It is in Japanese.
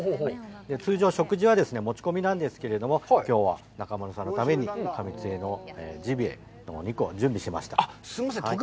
通常、食事を持ち込みに持ち込みなんですけれども、きょうは中丸さんのために上津江のジビエのお肉を用意しました。